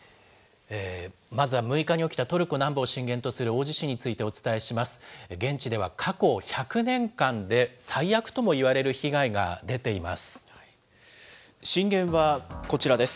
まずは６日に起きたトルコ南部を震源とする大地震についてお伝えします。